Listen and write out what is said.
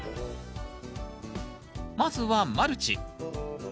まずはマルチ。